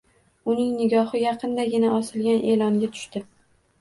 Uning nigohi yaqindagina osilgan e`longa tushdi